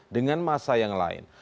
dengan massa yang lain